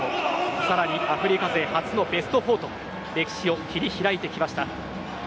更に、アフリカ勢初のベスト４と歴史を切り開いてきました。